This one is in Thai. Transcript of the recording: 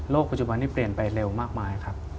ปัจจุบันนี้เปลี่ยนไปเร็วมากมายครับ